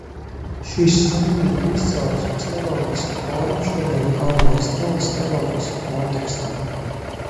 Šī sunnītu izcelsmes terorisma forma šodien ir galvenais drauds terorisma kontekstā.